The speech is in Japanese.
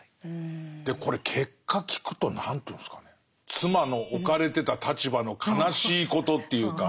でこれ結果聞くと何というんですかね妻の置かれてた立場の悲しいことっていうか。